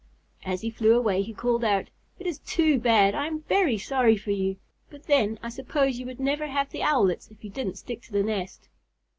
As he flew away he called out, "It is too bad. I am very sorry for you. But then, I suppose you would never have the Owlets if you didn't stick to the nest."